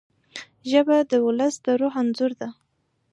ژبه د ولس د روح انځور ده